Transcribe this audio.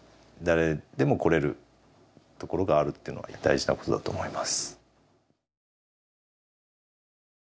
誰でも来れるところがあるっていうのは大事なことだと思います。